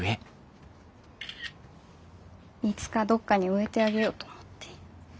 いつかどっかに植えてあげようと思って。